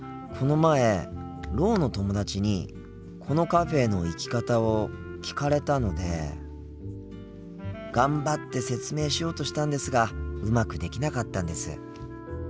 この前ろうの友達にこのカフェへの行き方を聞かれたので頑張って説明しようとしたんですがうまくできなかったんです。